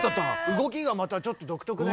動きがまたちょっと独特ね。